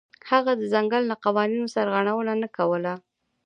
هغه د ځنګل له قوانینو سرغړونه نه کوله.